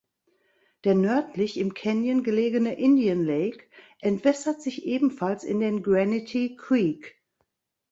Der nördlich im Canyon gelegene "Indian Lake" entwässert sich ebenfalls in den Granite Creek.